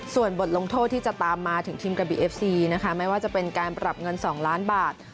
ส่วนบทลงโทษที่จะตามมาถึงทีมกระบีเอฟซีนะคะไม่ว่าจะเป็นการปรับเงิน๒ล้านบาท